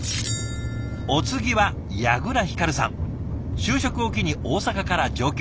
就職を機に大阪から上京。